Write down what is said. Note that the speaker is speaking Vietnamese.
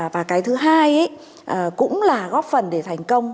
và cái thứ hai cũng là góp phần để thành công